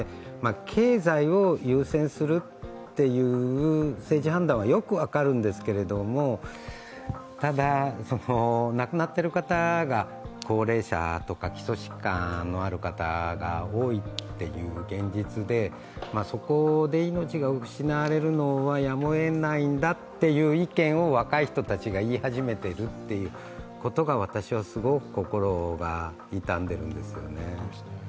経済を優先するっていう政治判断はよく分かるんですけれども、ただ、亡くなっている方が高齢者とか基礎疾患のある方が多いという現実でそこで命が失われるのはやむをえないんだという意見を若い人たちが言い始めていることが、私はすごく心が痛んでいるんですよね。